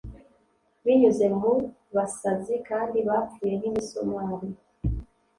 binyuze mu basazi kandi bapfuye nk'imisumari,